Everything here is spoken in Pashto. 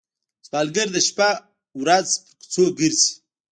سوالګر د شپه ورځ پر کوڅو ګرځي